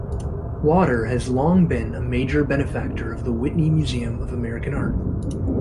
Lauder has long been a major benefactor of the Whitney Museum of American Art.